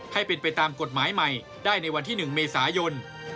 ให้เป็นไปตามกฎหมายใหม่ได้ในวันที่๑เมษายน